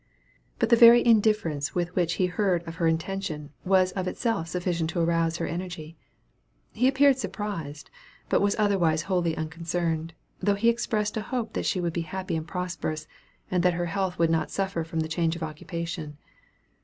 But the very indifference with which he heard of her intention was of itself sufficient to arouse her energy. He appeared surprised, but otherwise wholly unconcerned, though he expressed a hope that she would be happy and prosperous, and that her health would not suffer from the change of occupation.